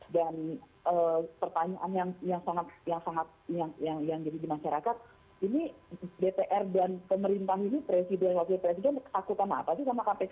dan pertanyaan yang sangat yang jadi di masyarakat ini dpr dan pemerintah ini presiden wakil presiden ketakutan apa sih sama kpk